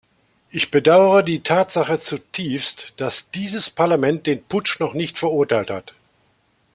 Ich bedauere die Tatsache zutiefst, dass dieses Parlament den Putsch noch nicht verurteilt hat.